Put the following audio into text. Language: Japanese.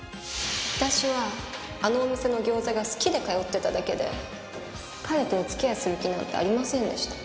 私はあのお店の餃子が好きで通ってただけで彼とお付き合いする気なんてありませんでした。